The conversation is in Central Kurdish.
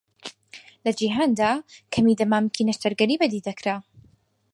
لە جیهاندا کەمی دەمامکی نەشتەرگەری بەدیدەکرا.